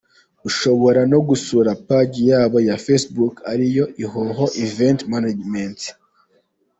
Ushobora no gusura paji yabo ya facebook ariyo : Ihoho Events Managements.